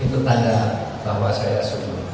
itu tanda bahwa saya sungguh